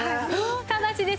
ただしですね